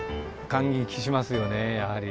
感激しますよねやはり。